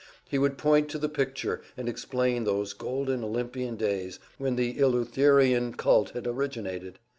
He would point to the picture and explain those golden, Olympian days when the Eleutherinian cult had originated.